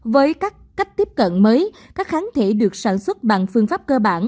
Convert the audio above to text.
với các cách tiếp cận mới các kháng thể được sản xuất bằng phương pháp cơ bản